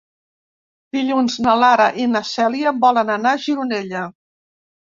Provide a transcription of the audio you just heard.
Dilluns na Lara i na Cèlia volen anar a Gironella.